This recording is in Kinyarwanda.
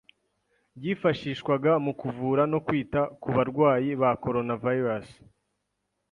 byifashishwaga mu kuvura no kwita ku barwayi ba Coronavirus